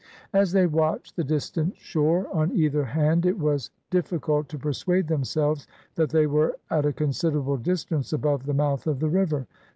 As they watched the distant shore on either hand it was difficult to persuade themselves that they were at a considerable distance above the mouth of the river.